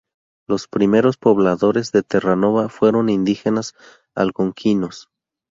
Los primeros pobladores de Terranova fueron indígenas algonquinos.